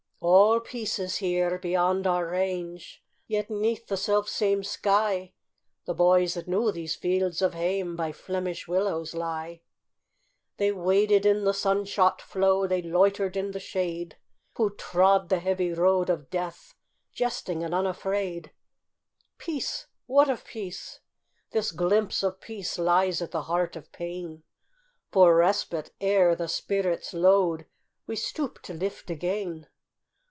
All peace is here. Beyond our range, Yet 'neath the selfsame sky, The boys that knew these fields of home By Flemish willows lie. They waded in the sun shot flow, They loitered in the shade, Who trod the heavy road of death, Jesting and unafraid. Peace! What of peace? This glimpse of peace Lies at the heart of pain, For respite, ere the spirit's load We stoop to lift again.